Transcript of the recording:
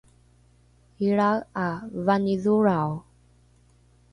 ilrae ’a vanidholrao